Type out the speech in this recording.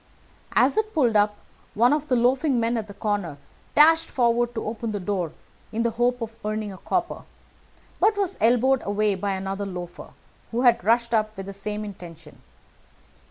As it pulled up one of the loafing men at the corner dashed forward to open the door in the hope of earning a copper, but was elbowed away by another loafer who had rushed up with the same intention.